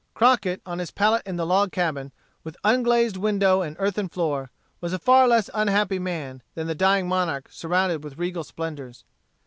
Crockett, on his pallet in the log cabin, with unglazed window and earthern floor, was a far less unhappy man, than the dying monarch surrounded with regal splendors.